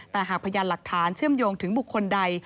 แต่หากพยานหลักฐานเชื่อมโยงถึงบุคคลใด